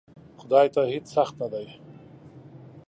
خدای ته هیڅ سخت نه دی!